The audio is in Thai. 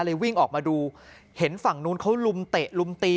วิ่งออกมาดูเห็นฝั่งนู้นเขาลุมเตะลุมตี